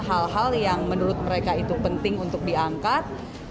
hal hal yang menurut mereka itu penting untuk diangkat